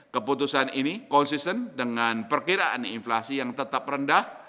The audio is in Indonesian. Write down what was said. keputusan ini konsisten dengan perkiraan inflasi yang tetap rendah